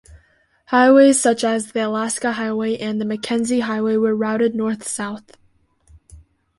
Highways such as the Alaska Highway and the Mackenzie Highway were routed north-south.